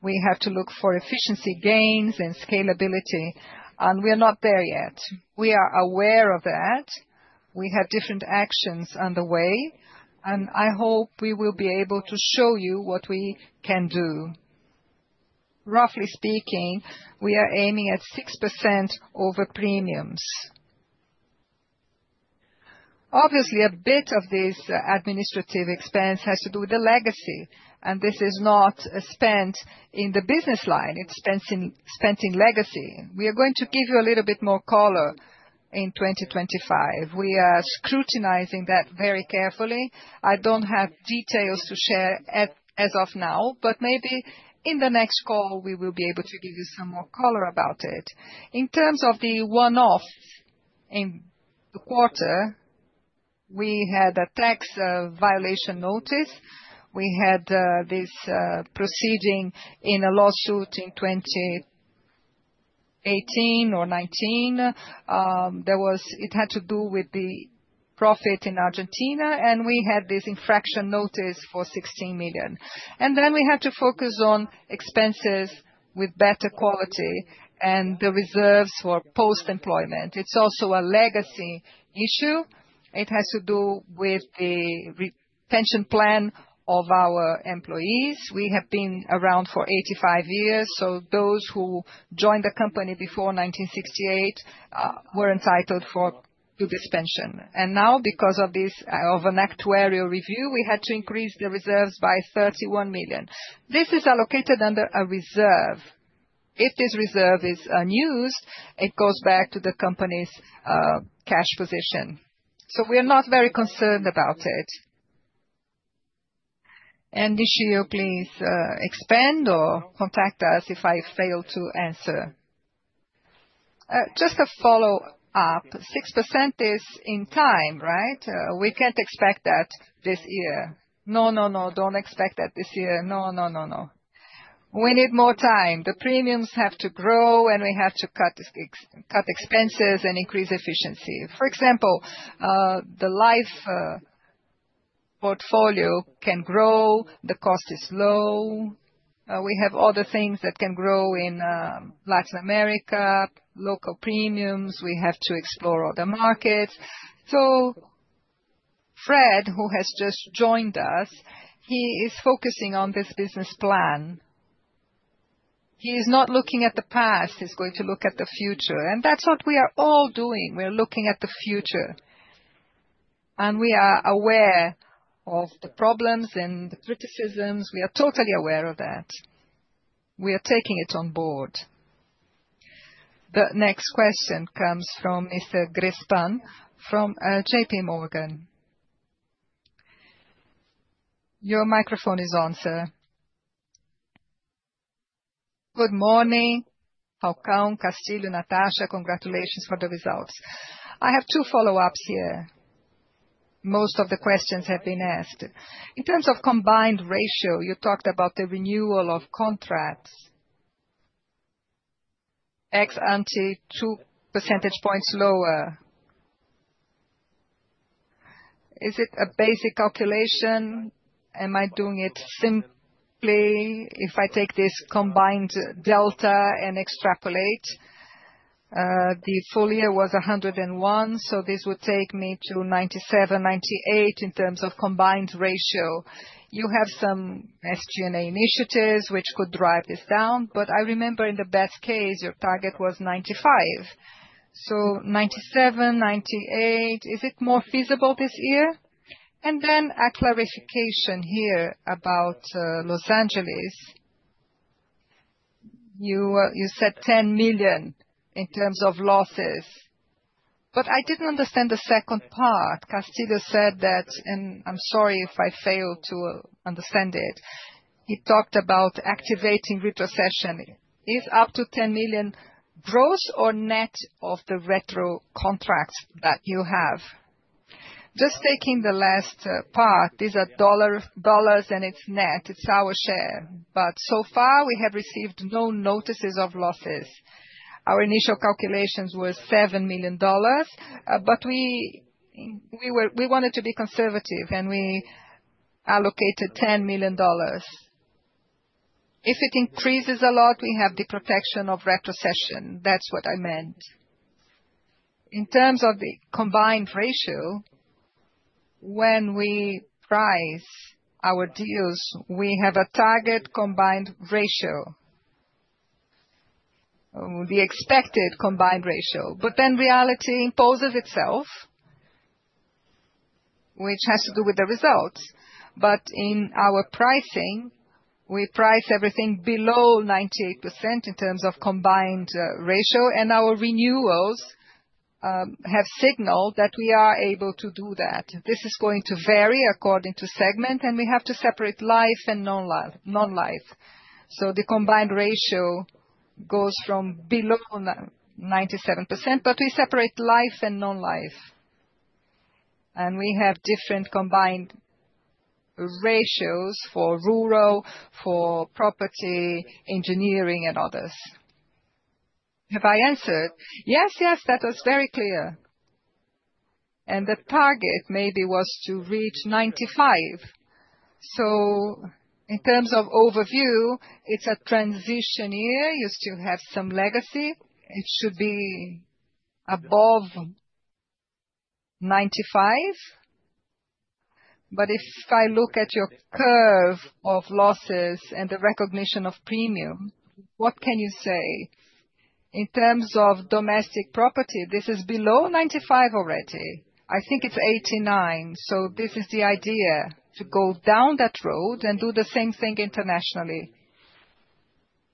We have to look for efficiency gains and scalability, and we are not there yet. We are aware of that. We have different actions on the way, and I hope we will be able to show you what we can do. Roughly speaking, we are aiming at 6% over premiums. Obviously, a bit of this administrative expense has to do with the legacy, and this is not spent in the business line. It's spent in legacy. We are going to give you a little bit more color in 2025. We are scrutinizing that very carefully. I don't have details to share as of now, but maybe in the next call, we will be able to give you some more color about it. In terms of the one-offs in the quarter, we had a tax infraction notice. We had this proceeding in a lawsuit in 2018 or 2019. It had to do with the profit in Argentina, and we had this infraction notice for 16 million, and then we had to focus on expenses with better quality and the reserves for post-employment. It's also a legacy issue. It has to do with the pension plan of our employees. We have been around for 85 years. So those who joined the company before 1968 were entitled to this pension. And now, because of an actuarial review, we had to increase the reserves by 31 million. This is allocated under a reserve. If this reserve is unused, it goes back to the company's cash position. So we are not very concerned about it. And Nishio, please expand or contact us if I fail to answer. Just to follow up, 6% is in time, right? We can't expect that this year. No, no, no. Don't expect that this year. No, no, no, no. We need more time. The premiums have to grow, and we have to cut expenses and increase efficiency. For example, the life portfolio can grow. The cost is low. We have other things that can grow in Latin America, local premiums. We have to explore other markets. So Fred, who has just joined us, he is focusing on this business plan. He is not looking at the past. He's going to look at the future. And that's what we are all doing. We are looking at the future. And we are aware of the problems and the criticisms. We are totally aware of that. We are taking it on board. The next question comes from Mr. Grespan from JPMorgan. Your microphone is on, sir. Good morning. Falcão, Castillo, Natasha, congratulations for the results. I have two follow-ups here. Most of the questions have been asked. In terms of combined ratio, you talked about the renewal of contracts. Ex-ante, 2% points lower. Is it a basic calculation? Am I doing it simply if I take this combined delta and extrapolate? The full year was 101, so this would take me to 97-98 in terms of combined ratio. You have some SG&A initiatives which could drive this down, but I remember in the best case, your target was 95. So, 97-98, is it more feasible this year? Then a clarification here about Los Angeles. You said 10 million in terms of losses, but I didn't understand the second part. Castillo said that, and I'm sorry if I failed to understand it. He talked about activating retrocession. Is up to 10 million gross or net of the retro contracts that you have? Just taking the last part, these are dollars and it's net. It's our share. But so far, we have received no notices of losses. Our initial calculations were BRL 7 million, but we wanted to be conservative, and we allocated BRL 10 million. If it increases a lot, we have the protection of retrocession. That's what I meant. In terms of the combined ratio, when we price our deals, we have a target combined ratio, the expected combined ratio. But then reality imposes itself, which has to do with the results. But in our pricing, we price everything below 98% in terms of combined ratio. And our renewals have signaled that we are able to do that. This is going to vary according to segment, and we have to separate life and non-life. So the combined ratio goes from below 97%, but we separate life and non-life. And we have different combined ratios for rural, for property, engineering, and others. Have I answered? Yes, yes. That was very clear. The target maybe was to reach 95%. In terms of overview, it's a transition year. You still have some legacy. It should be above 95%. But if I look at your curve of losses and the recognition of premium, what can you say? In terms of domestic property. This is below 95% already. I think it's 89%. This is the idea to go down that road and do the same thing internationally.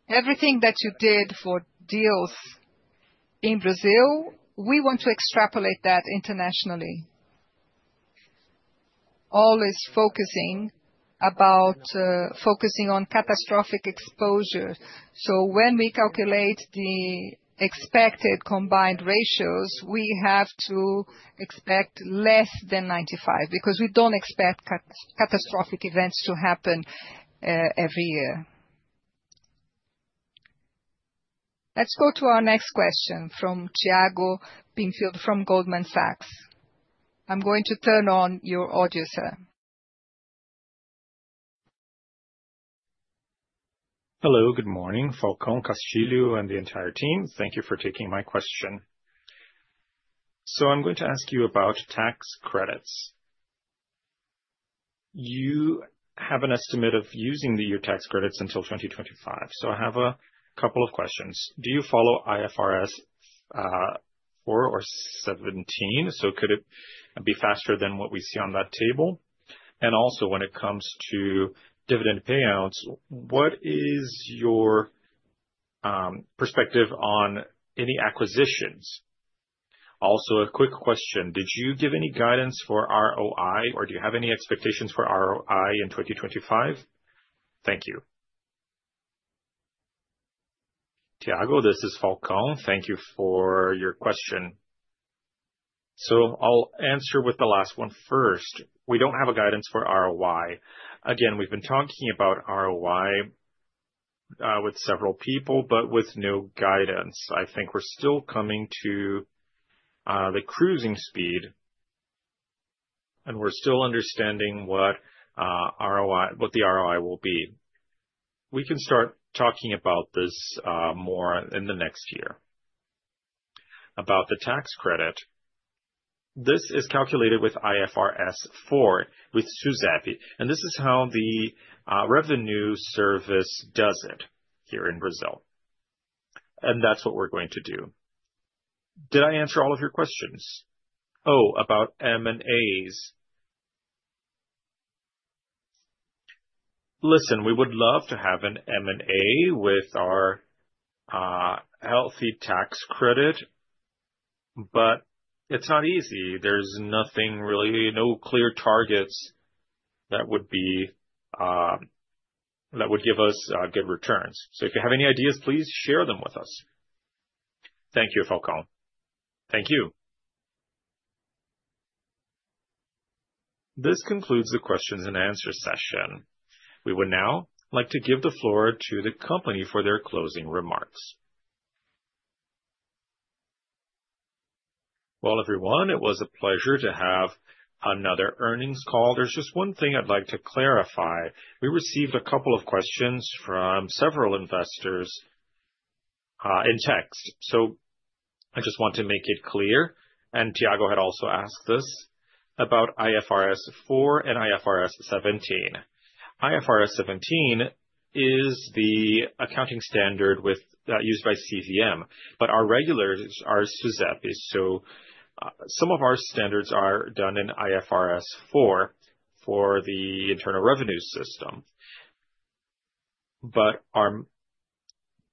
Everything that you did for deals in Brazil, we want to extrapolate that internationally. Always focusing about focusing on catastrophic exposure. When we calculate the expected combined ratios, we have to expect less than 95% because we don't expect catastrophic events to happen every year. Let's go to our next question from Tiago Binsfeld from Goldman Sachs. I'm going to turn on your audio, sir. Hello, good morning, Falcão, Castillo, and the entire team. Thank you for taking my question. So I'm going to ask you about tax credits. You have an estimate of using deferred tax credits until 2025. So I have a couple of questions. Do you follow IFRS 4 or 17? So could it be faster than what we see on that table? And also, when it comes to dividend payouts, what is your perspective on any acquisitions? Also, a quick question. Did you give any guidance for ROI, or do you have any expectations for ROI in 2025? Thank you. Tiago, this is Falcão. Thank you for your question. So I'll answer with the last one first. We don't have guidance for ROI. Again, we've been talking about ROI with several people, but with no guidance. I think we're still coming to the cruising speed, and we're still understanding what the ROI will be. We can start talking about this more in the next year. About the tax credit, this is calculated with IFRS 4 with SUSEP. This is how the revenue service does it here in Brazil, and that's what we're going to do. Did I answer all of your questions? Oh, about M&As. Listen, we would love to have an M&A with our healthy tax credit, but it's not easy. There's nothing really, no clear targets that would give us good returns, so if you have any ideas, please share them with us. Thank you, Falcão. Thank you. This concludes the questions and answers session. We would now like to give the floor to the company for their closing remarks. Well, everyone, it was a pleasure to have another earnings call. There's just one thing I'd like to clarify. We received a couple of questions from several investors in text. So I just want to make it clear. And Tiago had also asked this about IFRS 4 and IFRS 17. IFRS 17 is the accounting standard used by CVM, but our regulators are SUSEP. So some of our standards are done in IFRS 4 for the internal revenue system.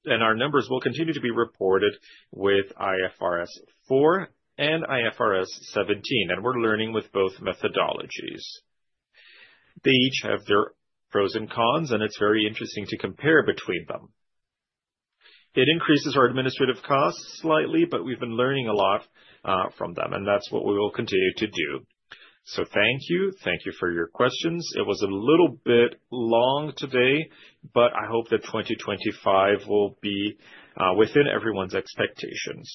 And our numbers will continue to be reported with IFRS 4 and IFRS 17. And we're learning with both methodologies. They each have their pros and cons, and it's very interesting to compare between them. It increases our administrative costs slightly, but we've been learning a lot from them, and that's what we will continue to do. So thank you. Thank you for your questions. It was a little bit long today, but I hope that 2025 will be within everyone's expectations.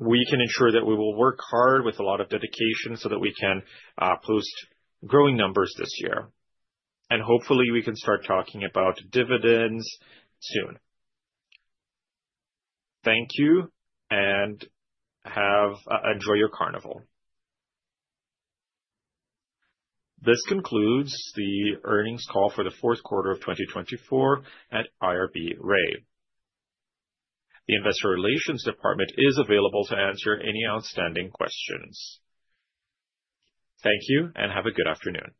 We can ensure that we will work hard with a lot of dedication so that we can post growing numbers this year, and hopefully, we can start talking about dividends soon. Thank you, and enjoy your Carnival. This concludes the earnings call for the fourth quarter of 2024 at IRB(Re). The Investor Relations Department is available to answer any outstanding questions. Thank you, and have a good afternoon.